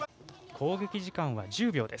攻撃時間は１０秒です。